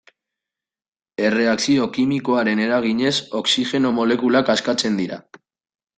Erreakzio kimikoaren eraginez, oxigeno molekulak askatzen dira.